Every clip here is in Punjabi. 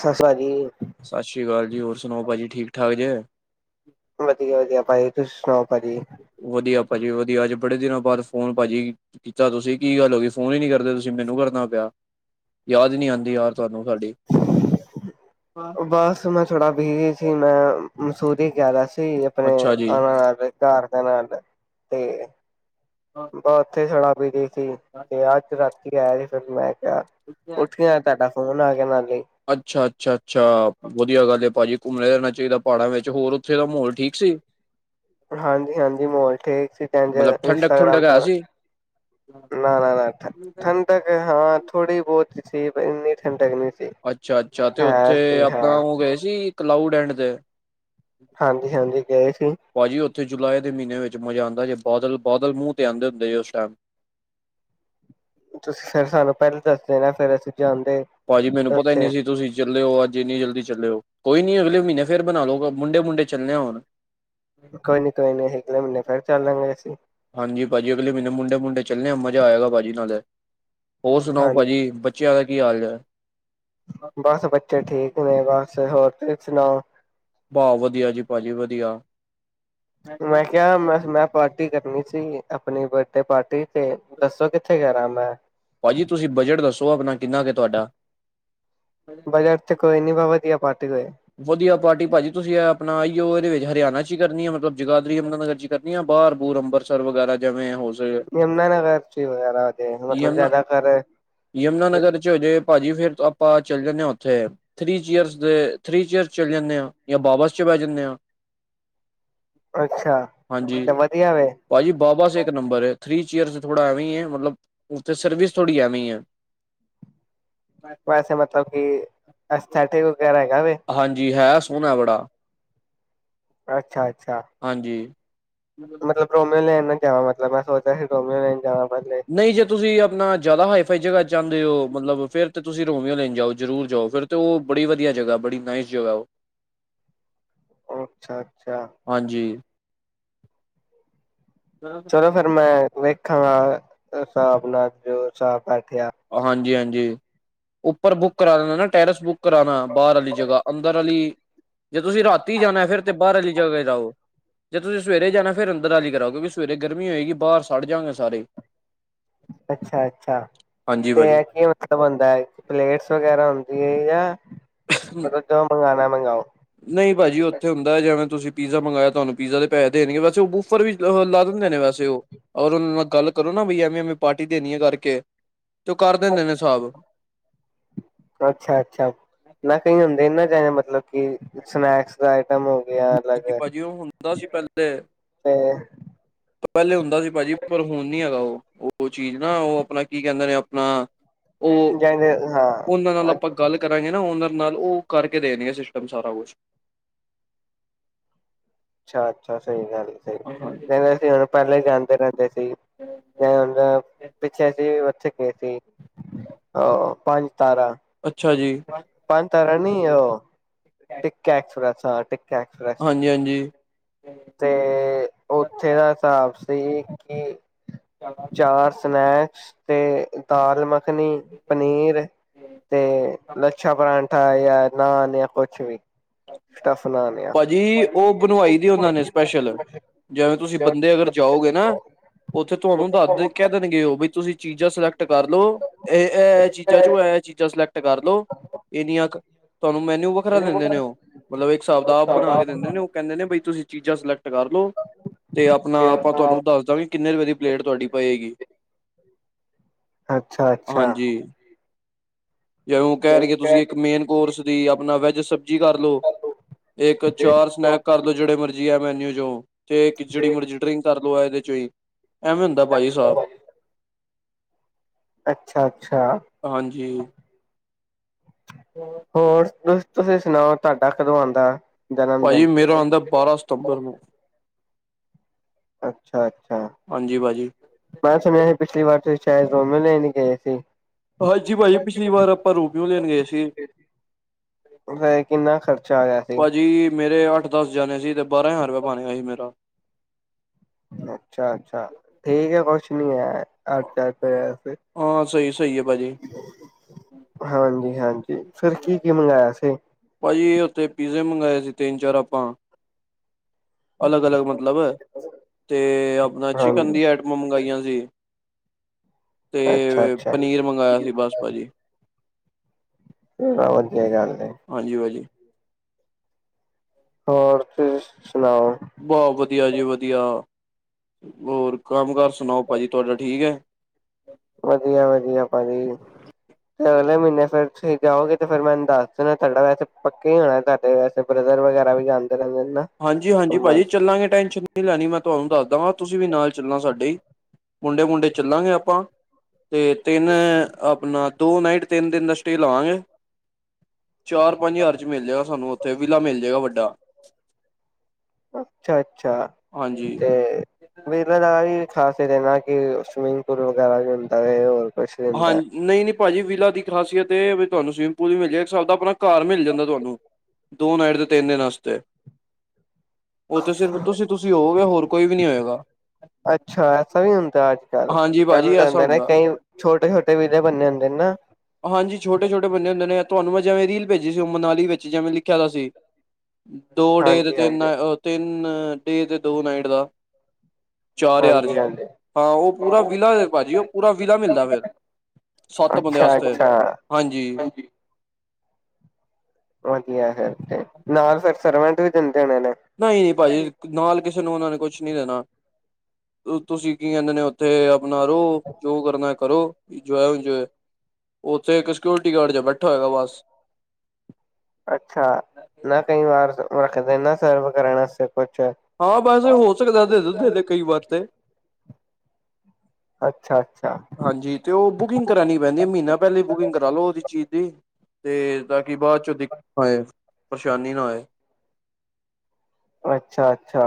ਸ ਸਾ ਜੀ। ਸਤਿ ਸ਼੍ਰੀ ਅਕਾਲ ਜੀ। ਹੋਰ ਸੁਣਾਓ ਭਾਅ ਜੀ ਠੀਕ ਠਾ ਜੇ? ਵਧੀਆ ਭਾਅਜੀ ਤੁਸੀਂ ਸੁਣਾਓ ਭਾਅਜੀ? ਵਧੀਆ ਭਾਜੀ ਵਧੀਆ, ਅੱਜ ਬੜੇ ਦਿਨਾਂ ਬਾਅਦ ਫੋਨ ਭਾਜੀ ਕੀਤਾ ਤੁਸੀਂ, ਕੀ ਗੱਲ ਹੋ ਗੀ ਫੋਨ ਈ ਨੀ ਕਰਦੇ ਤੁਸੀਂ, ਮੈਨੂੰ ਕਰਨਾ ਪਿਆ, ਯਾਦ ਈ ਨੀ ਆਂਦੀ ਯਾਰ। ਤੁਹਨੂੰ ਸਾਡੀ, ਹਾ। ਬਸ ਮੈਂ ਥੋੜਾ ਬਿਜੀ ਸੀ ਮੈਂ, ਮਸੂਰੀ ਗਿਆ ਵਾ ਸੀ ਆਪਣੇ ਅੱਛਾ ਜੀ ਆਵ ਯਾ ਘਰ ਦੇ ਆ ਨਾਲ ਤੇ ਬ ਉੱਥੇ ਰਾਤ ਪਈ ਗੀ ਸੀ। ਤੇ ਅੱਜ ਰਾਤੀ ਆਇਆ ਸੀ ਫਿਰ ਮੈਂ ਕਿਹਾ, ਉੱਠਿਆਂ ਤਾਹਡਾ ਫੋਨ ਆਗਿਆ ਨਾਲੀ। ਅੱਛਾ-ਅੱਛਾ-ਅੱਛਾ। ਵਧੀਆ ਗੱਲ ਏ ਭਾਜੀ ਘੁੰਮਣਾ ਰਹਿਣਾ ਚਾਈਦਾ ਪਹਾੜਾਂ ਵਿੱਚ, ਹੋਰ ਉੱਥੇ ਦਾ ਮਾਹੌਲ ਠੀਕ ਸੀ? ਹਾਂਜੀ-ਹਾਂਜੀ ਮਾਹੋਲ ਠੀਕ ਸੀ। ਮਤਲਬ ਟੈਨਜਰ ਠੰਡਕ ਇੰਸਟਾਗ੍ਰਾਮ ਠੁੰਡਕ ਤੇ ਹੈ ਸੀ ਨਾ-ਨਾ-ਨਾ ਠੰਡਕ ਹਾਂ ਥੋੜੀ ਬਹੁਤ ਸੀ। ਪਰ ਇੰਨੀ ਠੰਡਕ ਨਈ ਸ ਅੱਛਾ-ਅੱਛਾ ਤੇ ਉੱਥੇ ਆਪਣਾ ਉਹ ਗਏ ਸੀ ਕਲਾਊਡ ਐਂਡ ਤੇ? ਹਾਂਜੀ ਹਾਂਜੀ ਗਏ ਸੀ। ਭਾਅਜੀ ਉੱਥੇ ਜੁਲਾਈ ਦੀ ਮਹੀਨੇ ਵਿੱਚ ਮਜ਼ਾ ਆਉਂਦਾ ਜੇ, ਬਾਦਲ-ਬਾਦਲ ਮੂੰਹ ਤੇ ਆਉਂਦੇੁ ਹੁਦੇ ਉਸ ਟਾਈਮ ਤੁਸੀਂ ਫੇਰ ਸਾਨੂੰ ਪਹਿਲਾਂ ਦੱਸਦੇ ਨਾ ਫੇਰ ਅਸੀਂ ਜਾਂਦੇ ਭਾਜੀ ਮੈਨੂੰ ਪਤਾ ਨਿ ਉੱਥੇ ਸੀ ਤੁਸੀਂ ਚੱਲੇ ਓ ਅੱਜ ਇੰਨੀ ਜਲਦੀ ਚੱਲੇ ਓ ਕੋਈ ਨੀ ਅਗਲੇ ਮਹੀਨੇ ਫਿਰ ਬਣਾ ਲਓ ਮੁੰਡੇ ਮੁੰਡੇ ਚੱਲੇ ਆ ਹੋਣ ਕੋਈ ਨੀ ਕੋਈ ਨੀ ਅਗਲੇ ਮਹੀਨੇ ਫਿਰ ਚੱਲ ਦਾਂਗੇ ਅਸੀਂ। ਹਾਂਜੀ ਭਾਜੀ ਅਗਲੇ ਮੈਨੂੰ ਮੁੰਡੇ ਮੁੰਡੇ ਚੱਲਣੇ ਆ ਮਜ਼ਾ ਆਏਗਾ ਭਾਜੀ ਨਾਲੇ ਹੋਰ ਸੁਣਾਓ ਹਾਂਜੀ ਭਾਜੀ ਬੱਚਿਆ ਦਾ ਕੀ ਹਾਲ ਚਾਲ ਹੈ ਬਸ ਬੱਚੇ ਠੀਕ ਨੇ ਬਸ ਹੋਰ ਤੁਸੀ ਸੁਣਾਓ ਭਾ ਵਧੀਆ ਜੀ ਭਾਜੀ ਵਧੀਆ। ਮੈਂ ਕਿਹਾ ਮੈਂ-ਮੈਂ ਪਾਰਟੀ ਕਰਨੀ ਸੀ, ਆਪਣੀ ਬਰਡੇ ਪਾਰਟੀ ਤੇ ਦੱਸੋ ਕਿੱਥੇ ਕਰਾਂ ਮੈਂ ਭਾਜੀ ਤੁਸੀਂ ਬਜਟ ਦੱਸੋ‌ਆਪਣਾ ਕਿੰਨਾ ਕੁ ਤੁਹਾਡਾ। ਬਜ਼ਟ ਤਾ ਕੋਈ ਨੀ ਬਸ ਵਧੀਆ ਪਾਟੀ ਹੋਵੇ। ਵਧੀਆ ਪਾਰਟੀ ਭਾਜੀ, ਤੁਸੀਂ ਅ ਆਪਣਾ ਆਈਓ ਇਹਦੇ ਵਿੱਚ ਹਰਿਆਣਾ 'ਚ ਈ ਕਰਨੀ ਐ। ਮਤਲਬ ਜਗਾਦਰੀ ਯਮਨਾ ਨਗਰ 'ਚ ਈ ਕਰਨੀ ਆ ਬਾਹਰ ਬੂਰ ਅੰਬਰਸਰ ਵਗੈਰਾ ਜਿਵੇਂ ਹੋ ਸਕੇ ਯਮੁਨਾ ਨਗਰ 'ਚ ਈ ਵਗੈਰਾ ਦੇਖਲੋ। ਮਤਲਬ ਜਿਆਦਾਤਰ ਯਮੁਨਾ ਨਗਰ 'ਚ ਹੋਜੇ ਭਾਜੀ, ਫਿਰ ਆਪਾਂ ਚਲ ਜਾਨੇ ਆ ਉੱਥੇ ਥ੍ਰਰੀ ਚੀਅਰਸ ਦੇ ਥ੍ਰਰੀ ਚੇਅਰ ਚਲ ਜਾਣੇ ਆ। ਜਾਂ ਬਾਬਸ 'ਚ ਬਹਿ ਜਨੇ ਆ। ਅੱਛਾ ਹਾਂਜੀ ਏ ਵਧੀਆ ਵੇ ਭਾਜੀ ਬਾਬਾ ਸੇਕ ਇੱਕ ਨੰਬਰ ਏ ਥਰੀ ਚੀਅਰ ਥੋੜਾ ਐਵੇਂ ਹੀ ਹੈ ਮਤਲਬ ਉਥੇ ਸਰਵਿਸ ਥੋੜੀ ਆਵੇ ਆ ਵੈਸੇ ਮਤਲਬ ਕਿ ਸੈਟਿਕ ਵਗੈਰਾ ਹੈਗਾ ਵੇ ਹਾਂਜੀ ਹੈ ਸੋਹਣਾ ਬੜਾ ਅੱਛਾ ਅੱਛਾ ਹਾਂਜੀ ਮਤਲਬ ਪ੍ਰੋਮਿਓ ਲੈਣ ਨਾਲ ਜਾਵਾਂ ਮਤਲ ਮੈਂ ਸਚਿਆ ਸੀ ਪ੍ਰੋਮਿਓ ਲੈਣ ਜਾਵ ਪਹਿਲੇ ਨਹੀਂ ਜੇ ਤੁਸੀਂ ਆਪਣਾ ਜ਼ਿਆਦਾ ਹਾਈਫਾਈ ਜਗ੍ਹਾ ਚਾਹੁੰਦੇ ਹੋ ਮਤਲਬ ਫਿਰ ਤੇ ਤੁਸੀਂ ਰੋਮੀਓ ਲੈਣ ਜਾਓ ਜ਼ਰੂਰ ਜਾਓ ਫਿਰ ਤੇ ਉਹ ਬੜੀ ਵਧੀਆ ਜਗ੍ਹਾ ਬੜੀ ਨਾਈਸ ਜਗ੍ਹਾ ਉਹ ਓ ਅੱਛਾ ਅੱਛਾ ਹਾਂਜੀ ਚਲੋ ਫਿਰ ਮੈਂ ਵੇਖਾਂਗਾ ਸਾਬ ਨਾਲ ਜੋ ਸਾਬ ਬੈਠਿਆ ਹਾਂਜੀ ਹਾਂਜੀ ਉੱਪਰ ਬੁੱਕ ਕਰਾ ਲੇਨਾ ਟੈਰਸ ਬੁੱਕ ਕਰਾਉਣਾ ਬਾਹਰ ਵਾਲੀ ਜਗ੍ਹਾ ਅੰਦਰ ਵਾਲੀ ਜੇ ਤੁਸੀਂ ਰਾਤੀ ਜਾਣਾ ਫਿਰ ਤੇ ਬਾਹਰ ਵਾਲੀ ਜਗਾ ਲਾਓ ਜੇ ਤੁਸੀਂ ਸਵੇਰੇ ਜਾਣਾ ਫਿਰ ਅੰਦਰਾਲੀ ਕਰਓ ਕਿੳ ਸਵੇਰੇ ਗਰਮੀ ਹੋਏਗੀ ਬਾਹਰ ਸਾੜ ਜਾਣਗੇ ਸਾਰੇ ਅੱਛਾ ਅੱਛਾ ਹਾਂਜੀ ਤੇ ਭਾਜੀ ਏਹ ਕਿ ਮਤਲਬ ਹੁੰਦਾ ਹੈ ਕਿ ਪਲੇਟਸ ਵਗੈਰਾ ਹੁੰਦੀ ਹੈ ਜਾਂ ਮਤਲਬ ਜੋ ਮੰਗਵਾਉਣਾ ਮੰਗਵਾਓ ਨਹੀਂ ਭਾਜੀ ਉਥ ਹੁੰਦਾ ਹੈ ਜਿਵੇਂ ਤੁਸੀ ਪੀਜ਼ਾ ਮੰਗਾਇਆ ਤਹਾਨੂੰ ਪੀਜ਼ਾ ਦੇ ਪੈਸ ਦੇਣਗੇ ਵਸੇ ਉਹ ਮੁਫਤ ਉੱਪਰ ਵੀ ਲਾ ਦਿੰਦੇ ਨੇ ਵੈਸੇ ਉਹ ਔਰ ਉਹਨਾਂ ਨਾਲ ਗੱਲ ਕਰੋ ਨਾ ਬ ਐਵੇਂ ਐਵੇਂ ਪਾਰਟੀ ਦੇਣੀ ਆ ਕਰਕੇ ਤੇ ਉਹ ਕਰ ਦਿੰਦੇ ਨੇ ਹਿਸਾਬ ਅੱਛਾ ਅੱਛਾ ਨਾ ਕਈ ਹੁੰਦੇ ਨਾ ਚਾਹੇ ਮਤਲਬ ਕਿ ਸਨੈਕਸ ਦਾ ਆਈਟਮ ਹੋ ਗਿਆ ਅਲੱਗ ਹਾਂਜੀ ਭਾਜੀ ਉਹ ਹੁੰਦਾ ਸੀ ਪਹਿਲੇ ਤੇ ਪਹਿਲੇ ਹੁੰਦਾ ਸੀ ਭਾਜੀ ਪਰ ਹੁਣ ਨੀ ਹੈਗਾ ਉਹ ਉਹ ਚੀਜ਼ ਨਾ ਉਹ ਆਪਣਾ ਕੀ ਕਹਿੰਦੇ ਨੇ ਆਪਣਾ ਉਹ ਜਾਂਦੇ ਹਾਂ ਉਹਨਾਂ ਨਾਲ ਆਪਾਂ ਗੱਲ ਕਰਾਂਗੇ ਨਾ ਉਹਨਾਂ ਨਾਲ ਉਹ ਕਰਕੇ ਦੇਣਗੇ ਸਿਸਟਮ ਸਾਰਾ ਕੁਛ ਅੱਛਾ ਅੱਛਾ ਸਹੀ ਗੱਲ ਸਹੀ ਕਹਿੰਦੇ ਅ ਸੀ ਹੁਣ ਪਹਿਲਾਂ ਜਾਂਦੇ ਰਹਿੰਦੇ ਸੀ [unintelligible] ਪਿੱਛੇ ਅਸੀਂ ਉਥੇ ਗਏ ਸੀ ਅਹ ਪੰਜ ਤਾਰਾਂ ਅਸੀਂ ਅੱਛਾ ਜੀ ਪੰਜ ਤਾਰਾ ਨਹੀਂ ਉਹ ਟੀਕਾ ਐਕਸਪ੍ਰਸ ਹਾਂ ਟੀਕਾ ਐਕਸਪ੍ਰੈਸ ਹਾਂਜੀ-ਹਾਂਜੀ। ਤੇ ਉੱਥੇ ਦਾ ਹਿਸਾਬ ਸੀ ਕਿ ਚਾਰ। ਸਨੈਕਸ ਤੇ। ਦਾਲ ਮੱਖਣੀ, ਪਨੀਰ ਤੇ ਲੱਛਾ ਪਰਾਂਠਾ। ਠਾ ਯ ਨਾਨ ਜਾਂ ਕੁਛ ਵੀ। ਸਟਫ ਨਾਨ ਜਾਂ ਭਾਜੀ ਉਹ ਬਣਵਾਈ ਦੀ ਉਹਨਾਂ ਨੇ ਸਪੈਸ਼ਲ। ਜਿਵੇਂ ਤੁਸੀਂ ਬੰਦੇ ਅਗਰ ਜਾਓਗੇ ਨਾ। ਉੱਥੇ, ਤੁਹਾਨੂੰ ਦੱਸ ਦੇ ਕਹਿ ਦੇਣਗੇ, ਉਹ ਵੀ ਤੁਸੀਂ ਚੀਜ਼ਾਂ ਸਿਲੈਕਟ ਕਰ ਲਉ ਇਹ ਇਹ ਚੀਜ਼ਾਂ ਚੋਂ ਐ ਚੀਜ਼ਾਂ ਸਿਲੈਕਟ ਕਰ ਲੋ ਇਹ ਨੀ ਆ ਕੇ ਤੁਹਾਨੂੰ ਮੈਨਊ। ਵੱਖਰਾ ਦਿੰਦੇ ਨੇ ਉਹ ਮਤਲਬ ਇੱਕ ਹਿਸਾਬ ਦਾ ਆਪ ਬਣਾ ਕੇ ਦਿੰਦੇ ਨੇ ਉਹ ਕਹਿੰਦੇ ਨੇ ਬਈ ਤੁਸੀਂ ਚੀਜ਼ਾਂ ਸਿਲੈਕਟ। ਕਰ ਲੋ ਤੇ ਆਪਣਾ ਆਪਾਂ ਤੁਹਾਨੂੰ ਦੱਸ ਦਾਂਗੇ ਕਿੰਨੇ ਰੁਪਏ ਦੀ ਪਲੇਟ ਤੁਹਾਡੀ ਪਏਗੀ‌ ਅੱਛਾ ਅੱਛਾ। ਜੇ ਉਹ ਕਹਿਣਗੇ ਤੁਸੀਂ ਇੱਕ ਮੇਨ ਕੋਰਸ ਦੀ ਆਪਣਾ ਵੈੱਜ ਸਬਜ਼ੀ ਹੈਲੋ ਇੱਕ ਚਾਰ ਸਨੈਕ ਕਰਲੋ ਜਿਹੜੇ ਮਰਜੀ ਆ ਮੈਨਿਊ ਚ। ਤੇ ਖਿਚੜੀ ਮਰਜਟਰੀ ਕਰ ਲਓ ਇਹਦੇ ਚੋਂ ਹੀ ਐਵੇਂ ਹੁੰਦਾ ਭਾਜੀ ਸਾਫ ਅੱਛਾ- ਅੱਛਾ। ਹੋਰ? ਹੋਰ, ਤੁਸੀਂ ਸੁਣਾਓ ਤੁਹਾਡਾ ਕਦੋਂ ਆਉਂਦਾ? ਜਨਮ ਭਾਜੀ, ਦਿਨ ਮੇਰਾ ਹੁੰਦਾ ਬਾਰਾਂ ਸਤੰਬਰ ਨੂੰ। ਅੱਛਾ -ਅੱਛਾ। ਹਾਂਜੀ- ਭਾਅ ਜੀ। ਮੈਂ ਸੁਣਿਆ ਸੀ, ਪਿਛਲੀ ਵਾਰ ਤੁਸੀਂ ਸ਼ਾਇਦ ਰੋਮਿਓ ਲੈਨ ਗਏ ਸੀ। ਹਾਂਜੀ, ਭਾਜੀ ਪਿਛਲੀ ਵਾਰ ਆਪਾਂ ਰੋਬੀਓਂ ਲੈਣ ਗਏ ਸੀ। ਕਿੰਨਾ ਖਰਚਾ ਆਇਆ ਸੀ? ਭਾਜੀ ਮੇਰੇ ਅੱਠ ਦਸ ਜਣੇ ਸੀ, ਤੇ ਬਾਰਾਂ ਹਜ਼ਾਰ ਰੁਪਿਆ ਬਣ ਗਿਆ ਸੀ, ਮੇਰਾ। ਅੱਛਾ- ਅੱਛਾ ਠੀਕ ਹੈ, ਕੁਛ ਨਹੀਂ ਹੈ। ਹਾਂ, ਸਹੀ -ਸਹੀ ਹੈ, ਭਾਜੀ। ਹਾਂਜੀ -ਹਾਂਜੀ, ਫਿਰ ਕੀ ਕੀ ਮੰਗਾਇਆ ਸੀ? ਭਾਜੀ ਉੱਥੇ ਪੀਜ਼ੇ ਮੰਗਵਾਏ ਸੀ, ਤਿੰਨ ਚਾਰ ਆਪਾਂ। ਅਲੱਗ- ਅਲੱਗ ਮਤਲਬ, ਤੇ ਆਪਣਾ ਚਿਕਨ ਹਾਂਜੀ ਦੀ ਐ ਮੰਗਾਈਆਂ ਸੀ, ਤੇ ਅੱਛਾ ਅੱਛਾ ਪਨੀਰ ਮੰਗਾਇਆ ਸੀ, ਬਸ ਭਾਜੀ। ਚਲੋ, ਵਧੀਆ ਗੱਲ ਏ। ਹਾਂਜੀ, ਭਾਅ ਜੀ। ਹੋਰ, ਤੁਸੀਂ ਸੁਣਾਓ। ਬਸ, ਵਧੀਆ ਜੀ ਵਧੀਆ, ਹੋਰ ਕੰਮ -ਕਾਰ ਸੁਣਾਓ ਭਾਜੀ, ਤੁਹਾਡਾ ਠੀਕ ਹੈ? ਵਧੀਆ -ਵਧੀਆ, ਭਾਜੀ। ਤੇ ਅਗਲੇ ਮਹੀਨੇ ਫੇਰ ਤੁਸੀਂ ਜਾਓਗੇ, ਤੇ ਫੇਰ ਮੈਨੂੰ ਦੱਸ ਦੇਣਾ, ਤੁਹਾਡਾ ਵੈਸੇ ਪੱਕੇ ਹੀ ਹੋਣਾ ਤਾਡਾ ਵੈਸੇ। ਤੇ ਬ੍ਰਦਰ ਵਗੈਰਾ ਵੀ ਜਾਂਦੇ ਰਹਿੰਦੇ ਨੇ ਨਾ ਹਾਂਜੀ -ਹਾਂਜੀ, ਭਾਜੀ ਘੁੰਮਣ ਚੱਲਾਂਗੇ ਟੈਨਸ਼ਨ ਨਹੀਂ ਲੈਣੀ, ਮੈਂ ਤੁਹਾਨੂੰ ਦੱਸ ਦਾ ਗਾ ਤੁਸੀਂ ਵੀ ਨਾਲ ਚੱਲਣਾ ਸਾਡੇ ਹੀ, ਮੁੰਡੇ -ਮੁੰਡੇ ਚੱਲਾਂਗੇ ਆਪਾਂ। ਤੇ ਤਿੰਨ ਆਪਣਾ ਦੋ, ਨਾਈਟ ਤਿੰਨ ਦਿਨ, ਦਾ ਸਟੇਅ ਲਵਾਂਗੇ। ਚਾਰ, ਪੰਜ ਹਜ਼ਾਰ ਚ ਮਿਲ ਜਾਏਗਾ, ਸਾਨੂੰ ਉੱਥੇ ਵਿਲਾ ਮਿਲ ਜਾਏਗਾ ਵੱਡਾ। ਅੱਛਾ -ਅੱਛਾ ਹਾਂਜੀ ਤੇ। ਵਿਲਾ ਦਾ ਵੀ ਖਾਸੀਅਤ ਹੈ ਨਾ ਕਿ, ਸਵਿਮਿੰਗ ਪੂਲ ਵਗੈਰਾ ਵੀ ਹੁੰਦਾ ਹੈ ਹੋਰ। ਕੁਛ ਵੀ ਹੁੰਦਾ ਹਾਂਜ। ਹੈ ਨਹੀਂ -ਨਹੀਂ, ਭਾਜੀ ਵਿਲਾ ਦੀ ਖਾਸੀਅਤ ਇਹ ਹੈ, ਬਈ ਤੁਹਾਨੂੰ ਸਵੀਮਿੰਗ ਪੂਲ ਵੀ ਮਿਲ ਜਾ ਗਾ ਇੱਕ ਹਿਸਾਬ ਦਾ ਆਪਣਾ ਘਰ ਮਿਲ ਜਾਂਦਾ ਤੁਹਾਨੂੰ। ਦੋ ਨਾਈਟ ‌‌ਤੇ, ਤਿੰਨ ਦਿਨ ਆਸਤੇ। ਉਥੇ ਸਿਰਫ ਤੁਸੀਂ -ਤੁਸੀਂ ਹੋਵੋਗੇ, ਹੋਰ ਕੋਈ ਵੀ ਨਹੀਂ ਹੋਏਗਾ। ਅੱਛਾ ਐਸਾ ਵੀ ਹੁੰਦਾ ਅੱਜ- ਕੱਲ, ਹਾਂਜੀ ਭਾਜੀ ਕਰ ਐਸਾ ਜਾਂਦਾ ਨੇ ਹੁੰਦਾ ਕਈ ਛੋਟੇ- ਛੋਟੇ, ਵਿਲੇ ਬਣੇ ਹੁੰਦੇ ਨਾ। ਹਾਂਜੀ, ਛੋਟੇ- ਛੋਟੇ ਬੰਦੇ ਹੁੰਦੇ ਨੇ, ਤੁਹਾਨੂੰ ਮੈਂ ਜਿਵੇਂ ਰੀਲ ਭੇਜੀ ਸੀ, ਉਹ ਮਨਾਲੀ ਵਿੱਚ ਜਿਵੇਂ ਲਿਖਿਆ ਦਾ ਸੀ। ਦੋ ਡੇਜ, ਹਾਂਜੀ ਹਾਂਜੀ ਤਿੰਨ ਅ-ਓ ਤਿੰਨ ਡੇਜ ਦੋ ਨਾਈਟ ਦਾ ਚਾਰ ਹਜ਼ਾਰ ਚ ਹਾਂਜੀ-ਹਾਂਜੀ, ਹਾਂ, ਉਹ ਪੂਰਾ ਵਿਲਾ ਹੈ ਭਾਜੀ, ਉਹ ਪੂਰਾ ਵਿਲਾ ਮਿਲਦਾ ਫੇਰ। ਸੱਤ ਬੰਦਿਆਂ ਵਾਸਤੇ, ਅੱਛਾ-ਅੱਛਾ। ਹਾਂਜੀ। ਵਧੀਆ ਹੈ, ਫਿਰ ਤੇ ਨਾਲ ਫੇਰ ਸਰਵੈਂਟ ਵੀ ਦਿੰਦੇ ਹੋਣੇ ਨੇ ਨਹੀਂ ਪਾਜੀ ਨਾਲ ਕਿਸੇ ਨੂੰ ਉਹਨਾਂ ਨੇ ਕੁਛ ਨੀ ਦੇਣਾ। ਤੁਸੀਂ ਕੀ ਕਹਿੰਦੇ ਨੇ ਓ ਤੇ ਅਪਣਾ ਰਹੋ ਜੋ ਕਰਨਾ ਹੈ ਕਰੋ ਜੋ ਹੈ ਉੰਝ ਹੈ। ਉੱਥੇ ਇਕ ਸਿਓਰਿਟੀ ਗਾਰਡ ਜਯਾ ਬੈਠਾ ਹੋਏਗਾ ਬਸ। ਅੱਛਾ ਨਾ, ਕਈ ਵਾਰ ਰੱਖਦੇ ਨਾ, ਸਰਵ ਕਰਨ ਵਾਸਤੇ ਕੁਛ ਹਾਂ ਬਸ ਹੋ ਸਕਦਾ ਹੈ, ਦੇਦੇ-ਦੇਦੇ ਕਈ ਵਾਰ ਤੇ ਅੱਛਾ-ਅੱਛਾ। ਹਾਂਜੀ, ਅਤੇ ਉਹ ਬੁਕਿੰਗ ਕਰਾਉਣੀ ਪੈਂਦੀ ਹੈ, ਮਹੀਨਾ ਪਹਿਲਾਂ ਬੁਕਿੰਗ ਕਰਾ ਲਉ ਉਹਦੀ ਚੀਜ਼ ਦੀ। ਤੇ ਤਾਂ ਕਿ, ਬਾਅਦ ਚੋਂ ਦਿੱਕਤ ਨਾ ਆਏ, ਪਰੇਸ਼ਾਨੀ ਨਾ ਆਏ। ਅੱਛਾ -ਅੱਛਾ।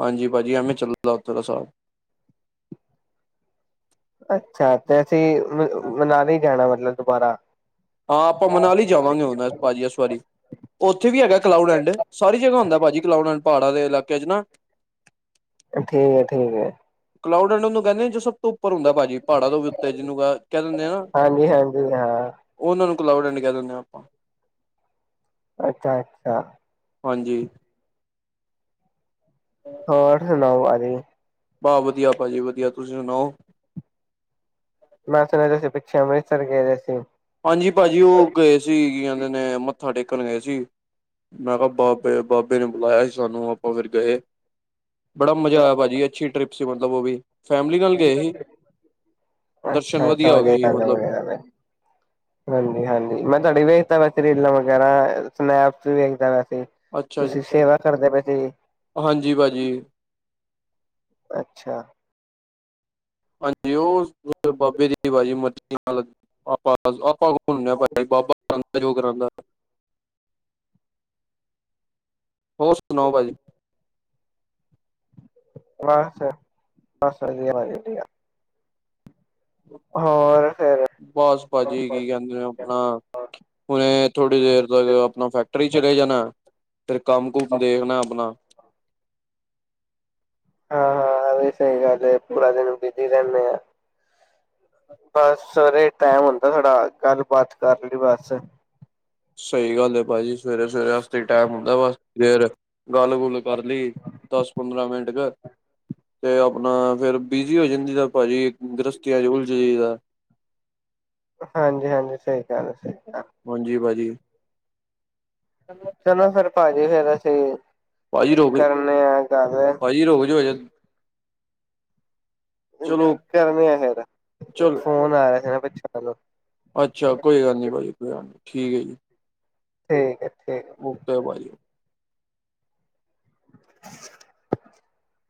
ਹਾਂਜੀ, ਭਾਜੀ ਐਵੇਂ ਚੱਲਦਾ ਉਧਰ ਲਾ ਹਿਸਾਬ। ਅੱਛਾ, ਤੇ ਅਸੀਂ ਮਨਾਲੀ ਜਾਣਾ ਮਤਲਬ, ਦੁਬਾਰਾ? ਹਾਂ, ਆਪਾਂ ਮਨਾਲੀ ਜਾਵਾਂਗੇ, ਹੁਣ ਭਾਜੀ ਇਸ ਵਾਰੀ। ਉੱਥੇ ਵੀ ਹੈਗਾ ਕਲਾਊਡ ਐਂਡ ਸਾਰੀ ਜਗ੍ਹਾ ਹੁੰਦਾ ਪਾਜੀ ਕਲਾਊਡ ਐਂਡ ਪਹਾੜਾ ਦੇ ਇਲਾਕੇ ਚ ਨਾ। ਠੀਕ ਹੈ ਠੀਕ ਹੈ। ਕਲਾਊਡ ਐਂਡ ਉਹਨੂੰ ਕਹਿੰਦੇ ਜੋ ਸਭ ਤੋਂ ਉੱਪਰ ਹੁੰਦਾ ਭਾਜੀ ਪਹਾੜਾਂ ਤੋਂ ਵੀ ਉੱਤੇ ਜਿਹਨੂੰ ਕ ਕਹਿ ਦਿੰਦੇ ਆ ਨਾ ਹਾਂਜੀ-ਹਾਂਜੀ ਹਾਂ, ਉਹਨਾਂ ਨੂੰ ਕਲਾਊਡ ਐਂਡ ਕਹਿ ਦਿੰਦੇ ਹਾਂ ਆਪਾਂ। ਅੱਛਾ, ਅੱਛਾ। ਹਾਂਜੀ। ਹੋਰ ਸੁਣਾਓ ਭਾਜੀ ਬਾਹ ਵਧੀਆ ਭਾਜੀ ਵਧੀਆ। ਤੁਸੀਂ ਸੁਣਾਓ? ਮੈਂ ਸੁਣਿਆ ਸੀ ਪਿੱਛੇ ਅੰਮ੍ਰਿਤਸਰ ਗਏ ਦੇ ਸੀ। ਹਾਂਜੀ, ਭਾਜੀ ਉਹ ਗਏ ਸੀ। ਕੀ ਕਹਿੰਦੇ ਨੇ ਮੱਥਾ ਟੇਕਣ ਗਏ ਸੀ। ਮੈਂ ਕਿਹਾ ਬਾਬੇ-ਬਾਬੇ ਨੇ ਬੁਲਾਇਆ ਸੀ ਸਾਨੂੰ ਆਪਾਂ ਫਿਰ ਗਏ। ਬੜਾ ਮਜ਼ਾ ਆਇਆ ਪਾਜੀ ਅੱਛੀ ਟਰਿਪ ਸੀ ਮਤਲਬ ਉਹ ਵੀ। ਫੈਮਲੀ ਨਾਲ ਗਏ ਹੀ। ਦਰਸ਼ਨ ਅੱਛਾ-ਅੱਛਾ ਵਧੀਆ ਹੋ ਗਏ ਹੀ ਗੱਲ ਐ ਮਤਲਬ। ਵਧੀਆ ਗੱਲ ਐ। ਹਾਂਜੀ-ਹਾਂਜੀ ਮੈਂ ਤੁਹਾਡੀ ਵੇਖਦਾ ਪਿਆ ਸੀ ਰੀਲਾਂ ਵਗੈਰਾ, ਸਨੈਪਸ ਵੀ ਵੇਖਦਾ ਪਿਆ ਸੀ ਅੱਛਾ ਜੀ ਤੁਸੀਂ ਸੇਵਾ ਕਰਦੇ ਪਏ ਸੀ। ਹਾਂਜੀ ਭਾਜੀ ਅੱਛਾ। ਹਾਂਜੀ ਉਸ ਬਾਬੇ ਦੀ ਭਾਜੀ ਮਰਜੀ ਨਾਲ [unintelligible] ਹੁਣੇ ਆ ਭਾਜੀ ਬਾਬਾ ਕਰਾਉਂਦਾ ਜੋ ਕਰਾਉਂਦਾ। ਹੋਰ ਸੁਣਾਓ ਪਾਜੀ? ਬੱਸ-ਬੱਸ ਵਧੀਆ ਪਾਜੀ ਵਧੀਆ ਹੋਰ ਫੇਰ ਬਸ ਪਾਜੀ, ਕੀ ਕਹਿੰਦੇ ਨੇ ਆਪਣਾ ਹੁਣੇ ਥੋੜ੍ਹੀ ਦੇਰ ਤੱਕ ਆਪਣਾ ਫੈਕਟਰੀ ਚਲੇ ਜਾਣਾ ਫਿਰ ਕੰਮ ਕੁਮ ਦੇਖਣਾ ਆਪਣਾ ਹਾਂ-ਹਾਂ। ਇਹ ਵੀ ਸਹੀ ਗੱਲ ਹੈ। ਪੂਰਾ ਦਿਨ ਬਿਜੀ ਰਹਿੰਦੇ ਆ। ਬਸ ਸਵੇਰੇ ਟਾਈਮ ਹੁੰਦਾ ਸਾਡਾ, ਗੱਲ ਬਾਤ ਕਰਨ ਲਈ ਬਸ। ਸਹੀ ਗੱਲ ਹੈ ਪਾਜੀ। ਸਵੇਰੇ ਸਵੇਰੇ ਵਾਸਤੇ ਹੀ ਟਾਈਮ ਹੁੰਦਾ ਬਸ। ਫਿਰ ਗੱਲ ਗੁੱਲ ਕਰ ਲਈ, ਦਸ ਪੰਦਰਾਂ ਮਿੰਟ ਕੇ ਤੇ ਆਪਣਾ ਫੇਰ ਬਿਜੀ ਹੋ ਜਾਂਦੀ ਦਾ ਭਾਜੀ ਗ੍ਰਸਤੀਆਂ ਚ' ਉਲਝ ਜਈਦਾ ਹਾਂਜੀ- ਹਾਂਜੀ ਸਹੀ ਗੱਲ ਹੈ ਸਹੀ ਗੱਲ ਹਾਂਜੀ ਭਾਜੀ ਚਲੋ ਫਿਰ ਭਾਜੀ ਫਰ ਅਸੀਂ ਕਰਨੇ ਆ ਗੱਲ ਾੀ ਰੁਕ ਜਾਓਦ [unintelligible] ਚਲੋ ਕਰਨੇ ਆ ਫਿਰ ਚਲੋ ਫੋਨ ਆ ਰਿਹਾ ਸੀ ਨਾ ਬੱਚਿਆਂ ਨੂੰ ਅੱਛਾ ਕੋਈ ਗੱਲ ਨਹੀਂ, ਭਾਅ ਜੀ ਕੋਈ ਗੱਲ ਨਹੀਂ। ਠੀਕ ਹੈ ਜੀ। ਠੀਕ ਹੈ ਠੀਕ ਉਹਕੇ, ਭਾਈ। [unintelligible]